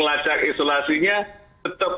lacak isolasinya tetap